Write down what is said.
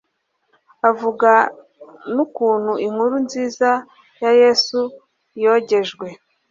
avuga n'ukuntu inkuru nziza ya yezu yogejwe